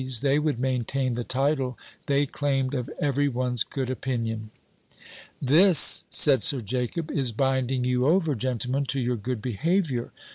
's, they would maintain the title they claimed of every one's good opinion. "This," said Sir Jacob, "is binding you over, gentlemen, to your good behaviour.